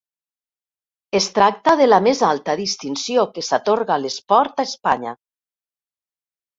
Es tracta de la més alta distinció que s'atorga a l'esport a Espanya.